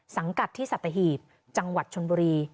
สังกัดที่สัตหีบจังหวัดชนบุรี